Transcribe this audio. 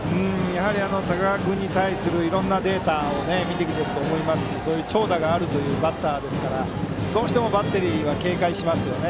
高川君に対するいろいろなデータを見てきていると思いますし長打があるバッターですからどうしてもバッテリーは警戒しますよね。